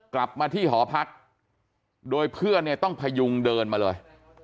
กลับมาที่หอพักโดยเพื่อนเนี่ยต้องพยุงเดินมาเลย